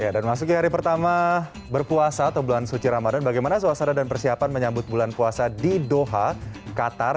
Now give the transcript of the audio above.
dan masukin hari pertama berpuasa atau bulan suci ramadan bagaimana suasana dan persiapan menyambut bulan puasa di doha qatar